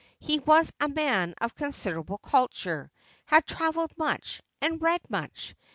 He was a man of considerable culture ; had travelled much and read much.